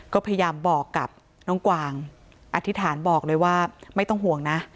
ก็พยายามบอกกับน้องกวางอธิษฐานบอกเลยว่าไม่ต้องห่วงนะ